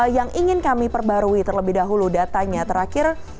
yang ingin kami perbarui terlebih dahulu datanya terakhir